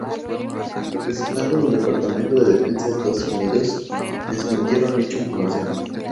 Representantes del Departamento de Defensa de Estados Unidos desmintieron dicha información.